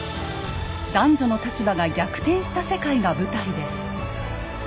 男女の立場が逆転した世界が舞台です。